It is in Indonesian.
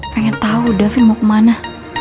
pengen tau dapin mau kemana